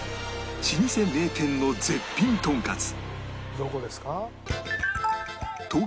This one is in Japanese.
どこですか？